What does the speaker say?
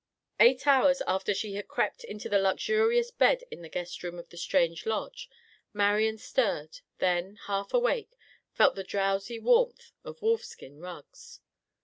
Eight hours after she had crept into the luxurious bed in the guest room of the strange lodge, Marian stirred, then half awake, felt the drowsy warmth of wolf skin rugs.